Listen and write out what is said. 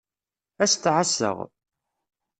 Ad s-t-εasseɣ.